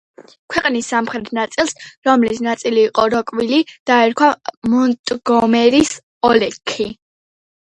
ქვეყნის სამხრეთ ნაწილს, რომლის ნაწილი იყო როკვილი დაერქვა მონტგომერის ოლქი.